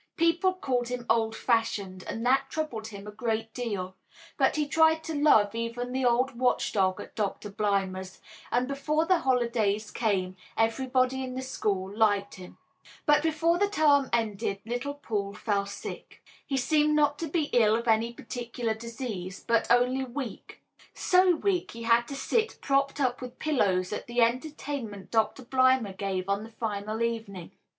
People called him "old fashioned," and that troubled him a great deal, but he tried to love even the old watch dog at Doctor Blimber's, and before the holidays came everybody in the school liked him. But before the term ended little Paul fell sick. He seemed not to be ill of any particular disease, but only weak; so weak he had to sit propped up with pillows at the entertainment Doctor Blimber gave on the final evening.